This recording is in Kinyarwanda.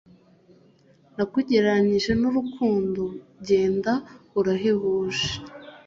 nakugereranije n’urukundo genda urahebuje.